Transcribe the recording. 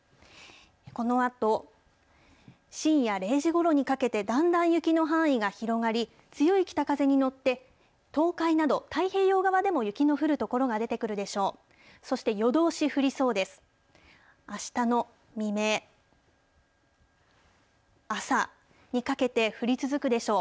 このあと、深夜０時ごろにかけて、だんだん雪の範囲が広がり、強い北風に乗って、東海など、太平洋側でも雪の降る所が出てくるでしょう。